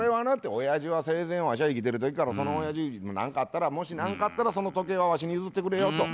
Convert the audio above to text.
「おやじは生前わしは生きてる時からそのおやじに『何かあったらもし何かあったらその時計はわしに譲ってくれよ』と。